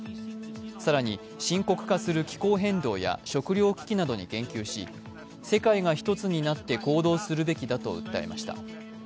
更に深刻化する気候変動や食糧危機などに言及し、世界が１つになって行動するべきだと訴えました。